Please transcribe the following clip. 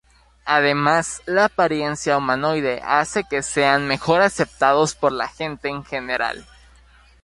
Además, la apariencia humanoide hace que sean mejor aceptados por la gente en general.